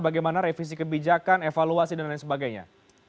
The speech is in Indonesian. bagaimana revisi kebijakan evaluasi dan lain sebagainya